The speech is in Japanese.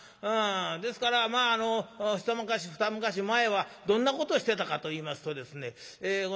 ですから一昔二昔前はどんなことをしてたかといいますとですね